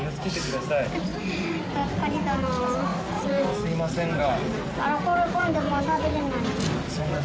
すみませんが。